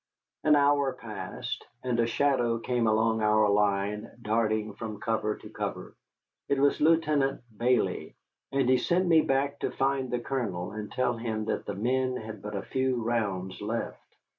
An hour passed, and a shadow came along our line, darting from cover to cover. It was Lieutenant Bayley, and he sent me back to find the Colonel and to tell him that the men had but a few rounds left.